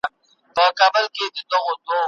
تیاره تیاره مالت ته دې رڼا ورکړله ډېره ګیلهمنه